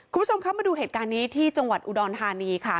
คุณผู้ชมคะมาดูเหตุการณ์นี้ที่จังหวัดอุดรธานีค่ะ